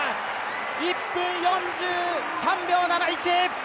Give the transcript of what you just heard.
１分４３秒７１！